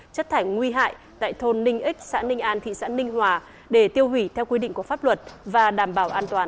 chất thải nguy hại tại thôn ninh ích xã ninh an thị xã ninh hòa để tiêu hủy theo quy định của pháp luật và đảm bảo an toàn